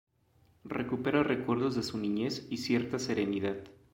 Recupera recuerdos de su niñez y cierta serenidad.